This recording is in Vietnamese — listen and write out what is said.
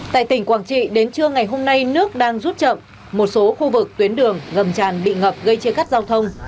tại tỉnh quảng trị đến trưa ngày hôm nay nước đang rút chậm một số khu vực tuyến đường gầm tràn bị ngập gây chia cắt giao thông